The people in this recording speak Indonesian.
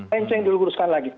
lenceng diluruskan lagi